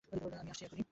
আমি আসছি এখনি!